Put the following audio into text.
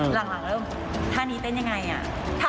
เป็นเครื่องค่าเชื้อในอากาศค่ะ